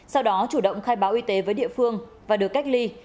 sau đó chủ động khai báo y tế với địa phương và được cách ly